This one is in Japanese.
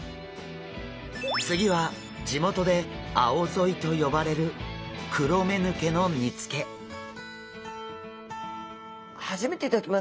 次は地元であおぞいと呼ばれる初めて頂きます。